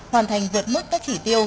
hoàn thành vượt mức các chỉ tiêu